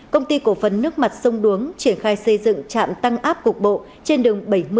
công ty cổ phần nước mặt sông đuống triển khai xây dựng trạm tăng áp cục bộ trên đường bảy mươi